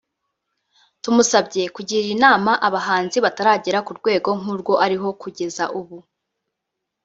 …Tumusabye kugira inama abahanzi bataragera ku rwego nk’urwo ariho kugeza ubu